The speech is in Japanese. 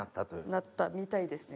なったみたいですね。